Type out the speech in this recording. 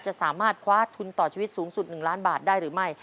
จะสามารถคว้าทุนต่อชีวิตสูงสุด๑ล้านบาทได้หรือไม่